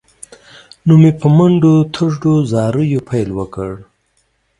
نو مې په منډو تروړ، زاریو یې پیل وکړ.